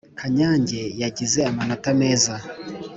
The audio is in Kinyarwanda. kanyange yagize amanota meza